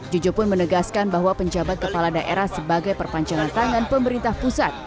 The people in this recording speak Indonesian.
jojo pun menegaskan bahwa penjabat kepala daerah sebagai perpanjangan tangan pemerintah pusat